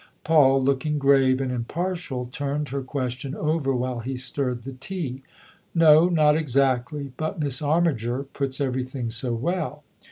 Paul, looking grave and impartial, turned her question over while he stirred the tea. "No, not exactly. But Miss Armiger puts everything so well."